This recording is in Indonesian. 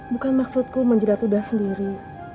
bukan maksudku menjelatudah sendiri